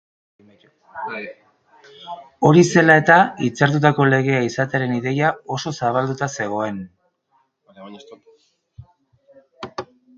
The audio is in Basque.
Hori zela eta, hitzartutako legea izatearen ideia oso zabalduta zegoen.